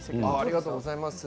ありがとうございます。